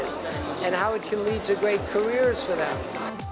menarik dan menjadikan karir mereka yang baik